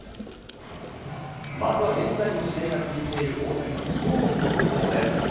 まずは現在も試合が続いている大谷の超速報です。